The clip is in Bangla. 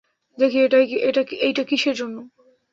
দেখি এইটা কিসের জন্য?